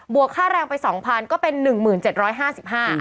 วกค่าแรงไป๒๐๐ก็เป็น๑๗๕๕บาท